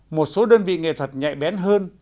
một số đơn vị nghệ thuật nhạy bén hơn